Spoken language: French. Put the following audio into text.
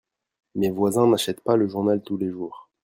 Mes voisins n'achètent pas le journal tous les jours.